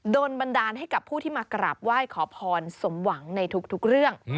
บันดาลให้กับผู้ที่มากราบไหว้ขอพรสมหวังในทุกเรื่อง